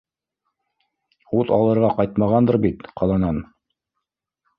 - Ут алырға ҡайтмағандыр бит ҡаланан?